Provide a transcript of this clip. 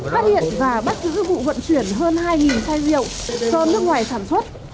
phát hiện và bắt giữ vụ vận chuyển hơn hai chai rượu do nước ngoài sản xuất